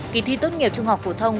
kỳ thi tốt nghiệp trung học phổ thông